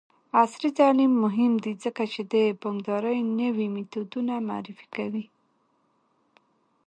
عصري تعلیم مهم دی ځکه چې د بانکدارۍ نوې میتودونه معرفي کوي.